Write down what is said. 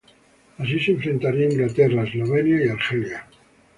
Así se enfrentaría a Inglaterra, Eslovenia y Argelia.